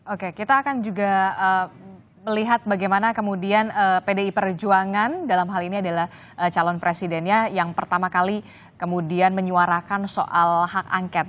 oke kita akan juga melihat bagaimana kemudian pdi perjuangan dalam hal ini adalah calon presidennya yang pertama kali kemudian menyuarakan soal hak angket